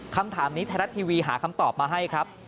คำถามนี้ไทยรัฐทีวีหาคำตอบมาให้ครับ